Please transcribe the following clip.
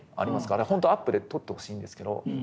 ほんとアップで撮ってほしいんですけど。